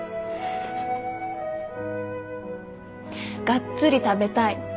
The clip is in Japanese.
がっつり食べたい。